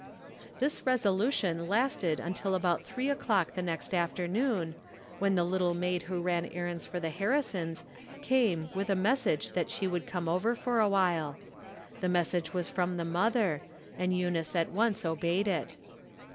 This resolution lasted until about three o'clock the next afternoon, when the little maid who ran errands for the Harrisons came with a message that she would come over for awhile. The mes sage was from the mother, and Eunice at once obeyed it.